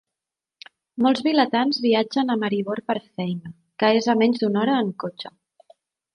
Molts vilatans viatgen a Maribor per feina, que és a menys d'una hora en cotxe.